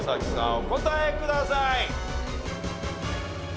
お答えください。